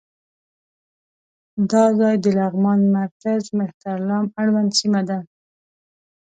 دا ځای د لغمان مرکز مهترلام اړوند سیمه ده.